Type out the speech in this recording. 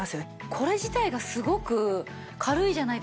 これ自体がすごく軽いじゃないですか。